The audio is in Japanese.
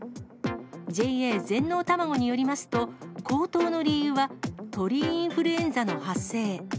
ＪＡ全農たまごによりますと、高騰の理由は鳥インフルエンザの発生。